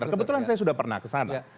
kebetulan saya sudah pernah ke sana